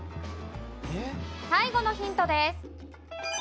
最後のヒントです。